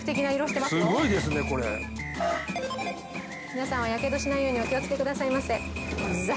皆さんはやけどしないようにお気を付けくださいませ。